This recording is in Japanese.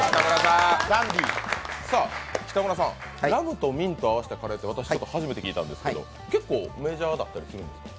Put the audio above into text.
ラムとミントを合わせたカレーって私、初めて聞いたんですけど結構メジャーだったりするんですか？